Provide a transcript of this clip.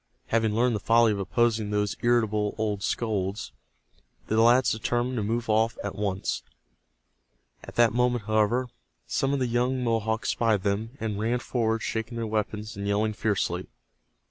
Having learned the folly of opposing those irritable old scolds, the lads determined to move off at once. At that moment, however, some of the young Mohawks spied them, and ran forward shaking their weapons, and yelling fiercely.